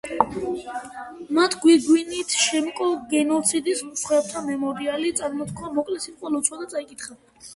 მან გვირგვინით შეამკო გენოციდის მსხვერპლთა მემორიალი, წარმოთქვა მოკლე სიტყვა და ლოცვა წაიკითხა.